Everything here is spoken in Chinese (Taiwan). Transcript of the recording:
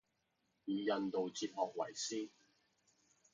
以印度哲學為師